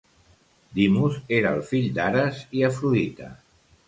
Dimos era el fill d'Ares i Afrodita.